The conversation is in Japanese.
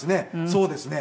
そうですね。